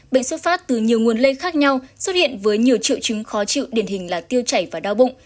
bệnh xuất phát từ nhiều nguồn lây khác nhau xuất hiện với nhiều triệu chứng khó chịu điển hình là tiêu chảy và đau bụng